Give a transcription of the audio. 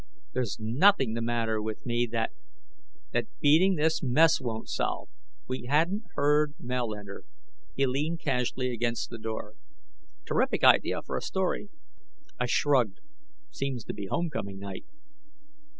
"There's nothing the matter with me that " "That beating this mess won't solve." We hadn't heard Mel enter. He leaned casually against the door. "Terrific idea for a story." I shrugged. "Seems to be homecoming night."